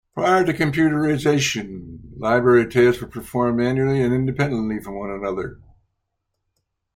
Prior to computerization, library tasks were performed manually and independently from one another.